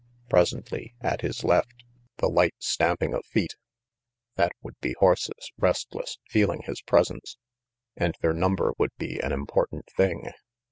Presently, at his left, the light stamping of feet! That would be horses, restless, feeling his presence. And their number would be an important thing.